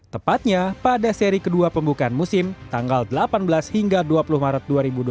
tepatnya pada seri kedua pembukaan musim tanggal delapan belas hingga dua puluh maret dua ribu dua puluh